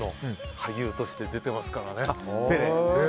俳優として出ていますからね。